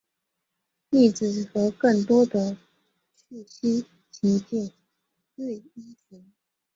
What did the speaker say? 例子和更多的讯息请见锐音符。